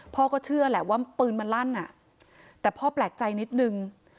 พ่อก็เชื่อแหละว่าปืนมันลั่นอ่ะแต่พ่อแปลกใจนิดนึง